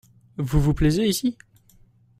Vous vous plaisez ici ?